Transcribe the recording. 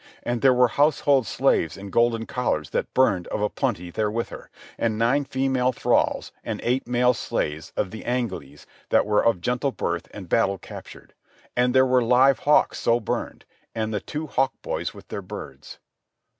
And there were household slaves in golden collars that burned of a plenty there with her, and nine female thralls, and eight male slaves of the Angles that were of gentle birth and battle captured. And there were live hawks so burned, and the two hawk boys with their birds.